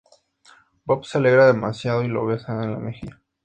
Bob se alegra demasiado y lo besa en la mejilla.